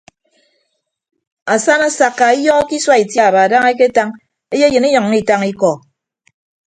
Asana asakka iyọhọke isua itiaba dana eketañ eyeyịn inyʌññọ itañ ikọ.